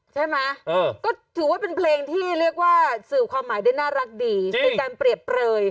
ใช่ไหมก็ถือว่าเป็นเพลงที่เรียกว่าสื่อความหมายได้น่ารักดีเป็นการเปรียบเปลย